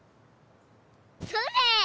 それ！